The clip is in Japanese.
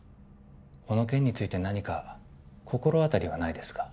この件について何か心当たりはないですか？